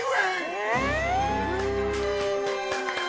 え！